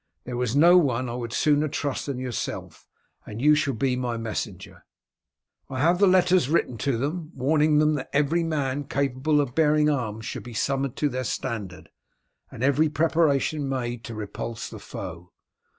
There is no one I would sooner trust than yourself, and you shall be my messenger. "I have the letters already written to them, warning them that every man capable of bearing arms should be summoned to their standard, and every preparation made to repulse the foe.